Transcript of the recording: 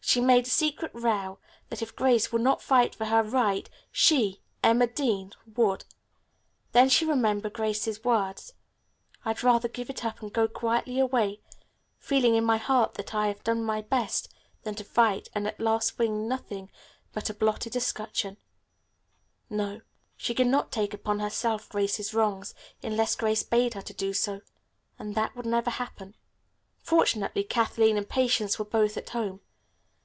She made a secret vow that if Grace would not fight for her rights she, Emma Dean, would. Then she remembered Grace's words, "I'd rather give it up and go quietly away, feeling in my heart that I have done my best, than to fight and, at last, win nothing but a blotted escutcheon." No, she could not take upon herself Grace's wrongs, unless Grace bade her do so, and that would never happen. Fortunately Kathleen and Patience were both at home.